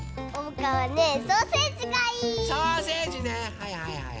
はいはいはい。